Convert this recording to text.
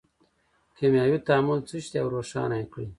کیمیاوي تعامل څه شی دی او روښانه یې کړئ.